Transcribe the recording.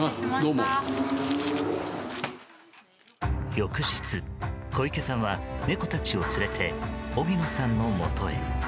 翌日、小池さんは猫たちを連れて荻野さんのもとへ。